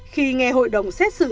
khi nghe hội đồng xét xử